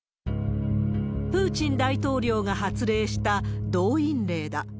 プーチン大統領が発令した動員令だ。